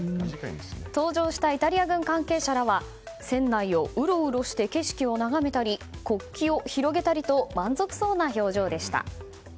搭乗したイタリア軍関係者らは船内をうろうろして景色を眺めたり国旗を広げたりと満足そうな表情でした。